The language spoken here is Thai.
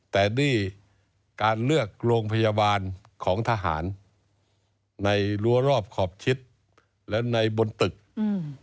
แต่นี่การเลือกโรงพยาบาลของทหารในรั้วรอบขอบชิดและในบนตึกอืม